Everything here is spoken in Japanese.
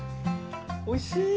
おいしい！